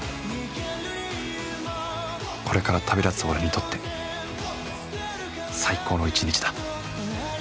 これから旅立つ俺にとって最高の一日だ